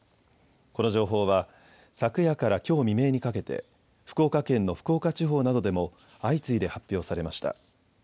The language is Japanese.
この情報は昨夜からきょう未明にかけて福岡県の福岡地方などでも相次いで発表されました。